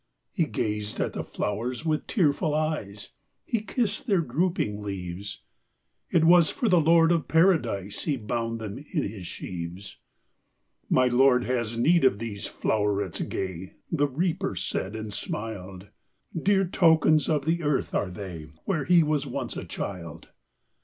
He gazed at the flowers with tearful eyes, He kissed their drooping leaves; It was for the Lord of ParadiseHe bound them in his sheaves."My Lord has need of these flowerets gay,"The Reaper said, and smiled;"Dear tokens of the earth are they, Where He was once a child.